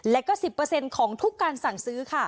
และก็๑๐ของทุกการสั่งซื้อค่ะ